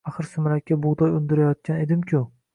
Axir sumalakka bug’doy undirayotgan edimku